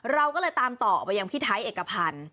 เราก็เลยตามต่อไปยังพี่ไทยเอกพันธ์